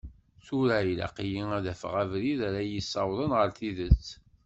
Tura, ilaq-iyi a d-afeɣ abrid ara yi-ssiwḍen ɣer tidet.